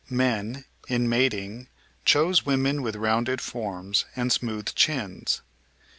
Men, in mating, chose women with rounded forms and smooth chins.